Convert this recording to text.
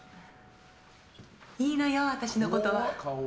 いいのよ、私のことは。